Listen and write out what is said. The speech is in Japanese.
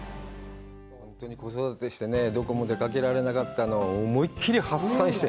本当に子育てしてね、どこにも出かけられなかったのを思いっ切り発散して。